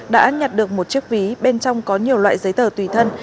đã nhặt được một chiếc ví bên trong có nhiều loại giấy tờ tùy thân